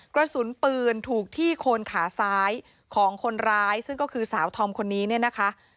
กระสุนปืนถูกที่โคนขาซ้ายของคนร้ายซึ่งก็คือสาวธอมคนนี้เนี่ยนะคะ